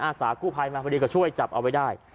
สากู้ภัยมาพอดีก็ช่วยจับเอาไว้ได้